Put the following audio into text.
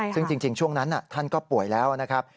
ซึ่งจริงช่วงนั้นท่านก็ป่วยแล้วนะครับ